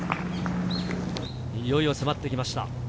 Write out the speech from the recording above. いよいよ迫ってきました。